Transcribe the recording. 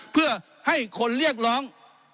เพื่อให้คนเรียกร้อง